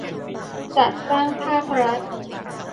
จัดจ้างภาครัฐ